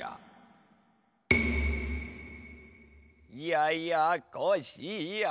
ややこしや。